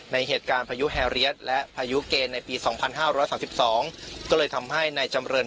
ในเหตุการณ์พายุแฮเลียสและพายุเกณฑ์ในปีสองพันห้าร้อยสามสิบสองก็เลยทำให้นายจำเริญ